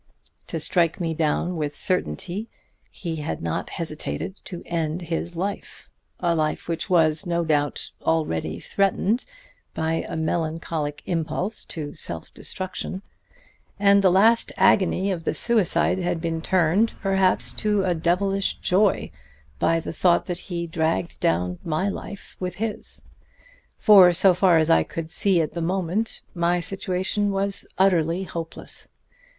To strike me down with certainty he had not hesitated to end his life a life which was, no doubt, already threatened by a melancholic impulse to self destruction; and the last agony of the suicide had been turned, perhaps, to a devilish joy by the thought that he dragged down my life with his. For, so far as I could see at the moment, my situation was utterly hopeless.